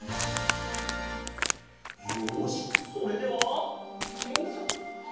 よしそれではよいしょ。